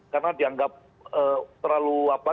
karena dianggap terlalu apa